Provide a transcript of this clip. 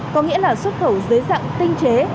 có nghĩa là xuất khẩu dưới dạng tinh chế